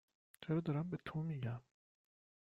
چرا دارم به تو می گم؟